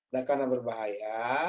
dan karena berbahaya